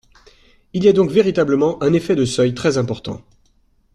Il y a donc véritablement un effet de seuil très important.